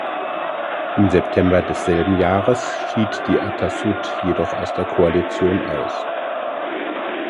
Im September desselben Jahres schied die Atassut jedoch aus der Koalition aus.